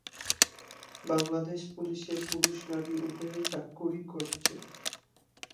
বাংলাদেশ পুলিশে পুরুষ-নারী উভয়ই চাকুরী করছে।